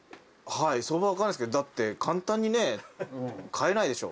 相場分かんないですけどだって簡単にね買えないでしょ。